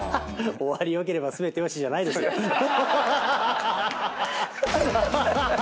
終わりよければ全てよしじゃないですよ。